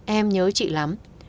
em nhớ chị lắm